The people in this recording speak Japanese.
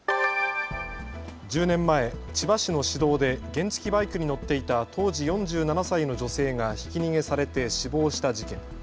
１０年前、千葉市の市道で原付きバイクに乗っていた当時４７歳の女性がひき逃げされて死亡した事件。